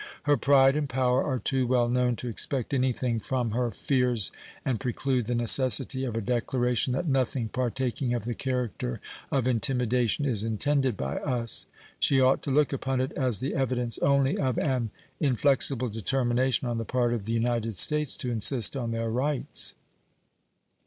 Her pride and power are too well known to expect any thing from her fears and preclude the necessity of a declaration that nothing partaking of the character of intimidation is intended by us. She ought to look upon it as the evidence only of an inflexible determination on the part of the United States to insist on their rights.